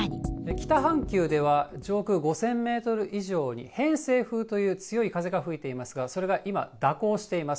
北半球では、上空５０００メートル以上に、偏西風という強い風が吹いていますが、それが今、蛇行しています。